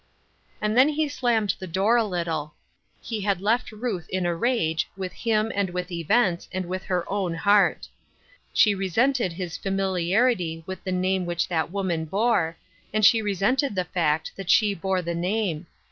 And then he slammed the door a little. He had left Ruth in a rage with him and with events and with her own heart. She resented his familiarity with the name which that woman bore, and she resented the fact that she bore the name.